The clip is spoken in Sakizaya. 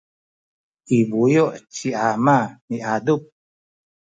i buyu’ ci ama miadup